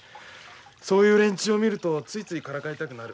そういう連中を見るとついついからかいたくなる。